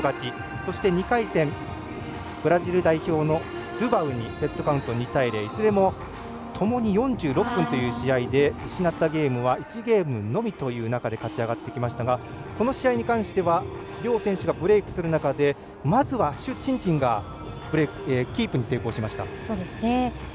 そして、２回戦ブラジル代表のドゥバウにセットカウント２対０ともに４６分という試合で失ったゲームは１ゲームのみという中で勝ち上がってきましたがこの試合に関しては両選手がブレークする中でまずは朱珍珍がキープに成功しました。